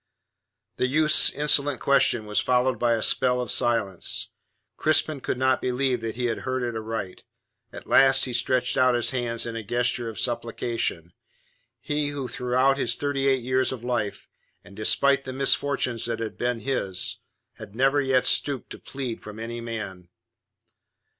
The youth's insolent question was followed by a spell of silence. Crispin could not believe that he had heard aright. At last he stretched out his hands in a gesture of supplication he who throughout his thirty eight years of life, and despite the misfortunes that had been his, had never yet stooped to plead from any man.